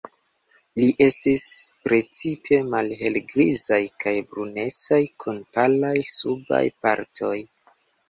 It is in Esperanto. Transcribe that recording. Ili estas precipe malhelgrizaj kaj brunecaj, kun palaj subaj partoj.